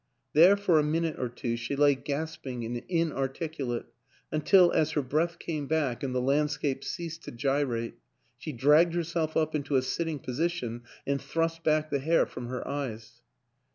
There for a minute or two she lay gasping and inarticulate until, as her breath came back and the land scape ceased to gyrate, she dragged herself up into a sitting position and thrust back the hair from her eyes.